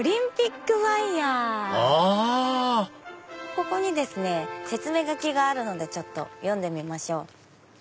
ここにですね説明書きがあるので読んでみましょう。